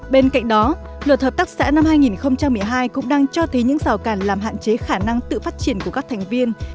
bên cạnh đó luật hợp tác xã năm hai nghìn một mươi hai cũng đang cho thấy những rào cản làm hạn chế khả năng tự phát triển của các thành viên